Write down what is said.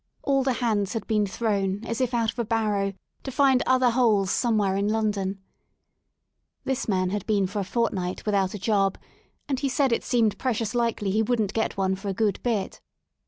All the hands had been thrown as if out of a barrow to find other holes somewhere in London* This man had been for a fortnight without a job, and he said it seemed precious likely he wouldn't get one for a good bit.